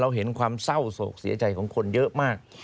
เห็นความเศร้าโศกเสียใจของคนเยอะมาก